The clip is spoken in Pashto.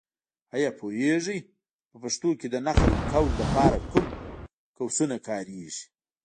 ایا پوهېږې؟ په پښتو کې د نقل قول لپاره کوم قوسونه کارېږي.